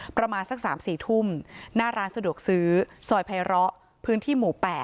ประมาณสัก๓๔ทุ่มหน้าร้านสะดวกซื้อซอยไพร้อพื้นที่หมู่๘